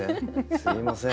すいません。